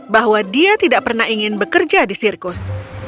bahwa dia tidak pernah ingin bekerja di sirkus